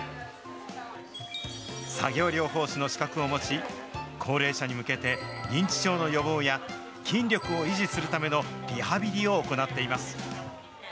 作業療法士の資格を持ち、高齢者に向けて、認知症の予防や、筋力を維持するためのリハビリを行っています。